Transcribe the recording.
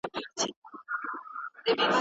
زه نن کار ته نه ځم.